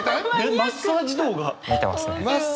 マッサージ動画見てるの？